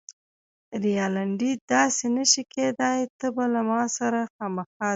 رینالډي: داسې نه شي کیدای، ته به له ما سره خامخا ځې.